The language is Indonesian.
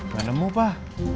gak nemu pak